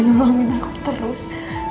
makasih mau nolongin aku terus